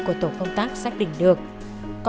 của tổ công tác xác định được